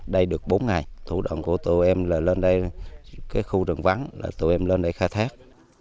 đây được bốn ngày thủ động của tụi em là lên đây cái khu rừng vắng là tụi em lên đây khai thác